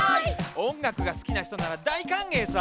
おんがくがすきなひとならだいかんげいさ！